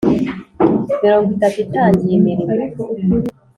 Mirongo itatu atangiye imirimo